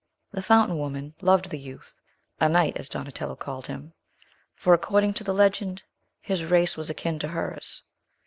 The fountain woman loved the youth, a knight, as Donatello called him, for, according to the legend, his race was akin to hers.